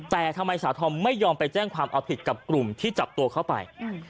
แต่ทำไมสาวทอมไม่ยอมไปแจ้งความเอาผิดกับกลุ่มที่จับตัวเข้าไป